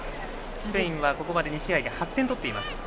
スペインはここまで２試合で８点取っています。